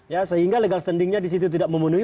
ya sehingga legal standingnya disitu tidak memenuhi